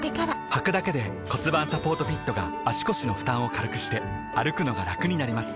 はくだけで骨盤サポートフィットが腰の負担を軽くして歩くのがラクになります